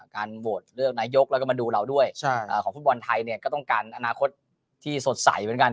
โหวตเลือกนายกแล้วก็มาดูเราด้วยของฟุตบอลไทยเนี่ยก็ต้องการอนาคตที่สดใสเหมือนกัน